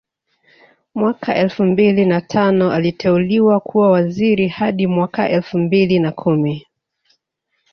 Mwaka elfu mbili na tano aliteuliwa kuwa waziri hadi mwaka elfu mbili na kumi